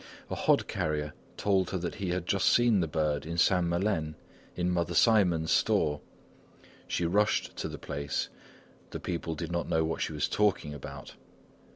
A hod carrier told her that he had just seen the bird in Saint Melaine, in Mother Simon's store. She rushed to the place. The people did not know what she was talking about.